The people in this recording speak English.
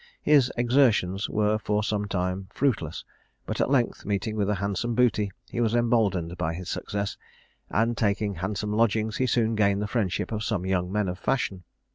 His exertions were for some time fruitless; but at length meeting with a handsome booty, he was emboldened by his success; and taking handsome lodgings he soon gained the friendship of some young men of fashion.